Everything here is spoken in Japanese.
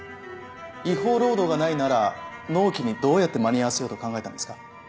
違法労働がないなら納期にどうやって間に合わせようと考えたんですか。